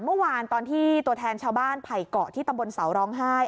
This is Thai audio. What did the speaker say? เมื่อวานตอนที่ตัวแทนชาวบ้านไผ่เกาะที่ตำบลเสาร้องไห้